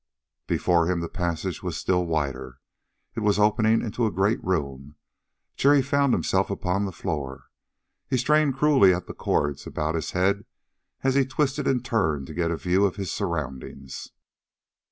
Before him the passage was still wider. It was opening into a great room.... Jerry found himself upon the floor. He strained cruelly at the cords about his head as he twisted and turned to get a view of his surroundings.